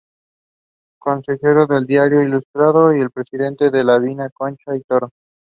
Consejero del "Diario Ilustrado" y presidente de la Viña Concha y Toro.